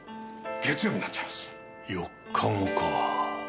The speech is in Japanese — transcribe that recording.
４日後か。